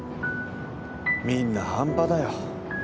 みんな半端だよ。